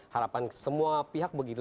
harapan semua pihak begitu